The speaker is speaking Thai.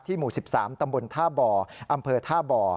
หมู่๑๓ตำบลท่าบ่ออำเภอท่าบ่อ